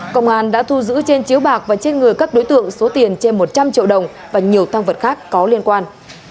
công an đã thu giữ trên chiếu bạc và trên người các đối tượng số tiền trên một trăm linh triệu đồng và nhiều thăng vật khác có liên quan